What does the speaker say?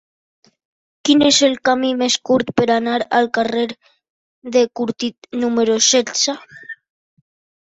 Quin és el camí més curt per anar al carrer de Cortit número setze?